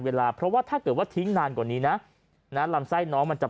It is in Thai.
เวลาเพราะว่าถ้าเกิดว่าทิ้งนานกว่านี้นะลำไส้น้องมันจะ